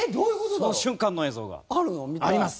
その瞬間の映像があります。